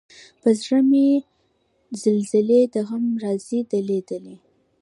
پۀ زړۀ مې زلزلې د غم راځي دلۍ، دلۍ